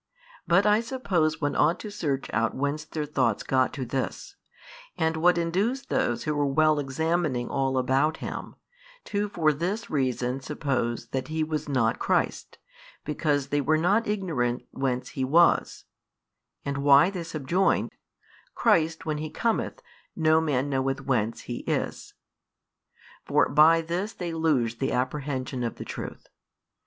But I suppose one ought to search out whence their thoughts got to this; and what induced those who were well examining all about Him, to for this reason suppose that He was not Christ, because they were not ignorant whence He was: and why they subjoin, Christ when He cometh, no man knoweth whence He is: for by this they lose the apprehension of the truth.